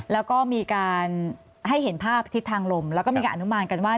แล้วก็มีการให้เห็นภาพทิศทางลมแล้วก็มีการอนุมานกันว่า